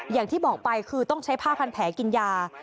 อย่างที่บอกไปคือต้องใช้ผ้าพันแผลกินยา